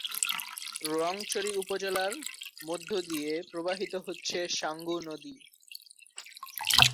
রোয়াংছড়ি উপজেলার মধ্য দিয়ে প্রবাহিত হচ্ছে সাঙ্গু নদী।